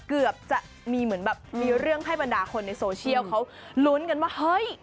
เกือบจะมีเหมือนแบบมีเรื่องให้บรรดาคนในโซเชียลเขาลุ้นกันว่าเฮ้ย